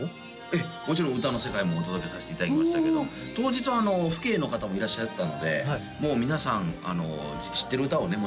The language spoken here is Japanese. ええもちろん歌の世界もお届けさしていただきましたけど当日は父兄の方もいらっしゃったのでもう皆さん知ってる歌をね